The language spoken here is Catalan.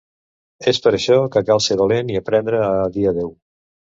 És per això que cal ser valent i aprendre a dir adéu.